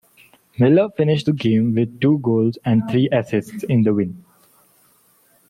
Miller finished the game with two goals and three assists in the win.